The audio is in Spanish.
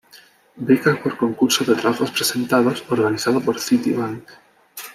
Beca por concurso de trabajos presentados organizado por Citibank.